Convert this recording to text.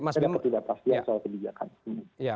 ada ketidakpastian soal kebijakan